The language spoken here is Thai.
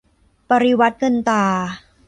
ปริวรรตเงินตรา